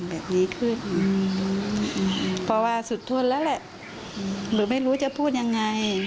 บอกไม่รู้จะพูดยังไง